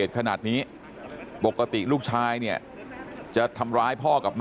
ต้องเวลาขอเงินใช่มั้ย